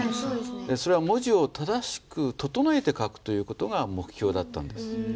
それは文字を正しく整えて書くという事が目標だったんです。